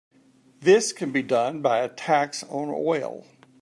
This can be done by a tax on oil.